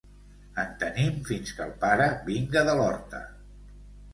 En tenim fins que el pare vinga de l'horta.